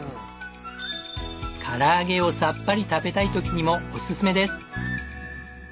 唐揚げをさっぱり食べたい時にもおすすめです！